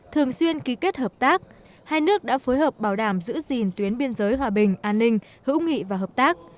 thường xuyên ký kết hợp tác hai nước đã phối hợp bảo đảm giữ gìn tuyến biên giới hòa bình an ninh hữu nghị và hợp tác